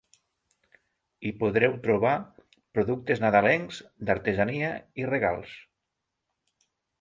Hi podreu trobar productes nadalencs, d’artesania i regals.